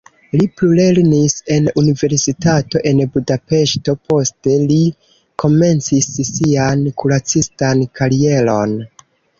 Li plulernis en universitato en Budapeŝto, poste li komencis sian kuracistan karieron.